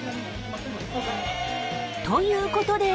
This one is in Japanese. ということで。